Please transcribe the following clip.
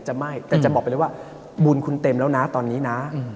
จะไม่แต่จะบอกไปเลยว่าบุญคุณเต็มแล้วนะตอนนี้นะ